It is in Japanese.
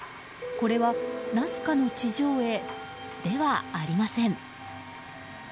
これはナスカの地上絵ではありません。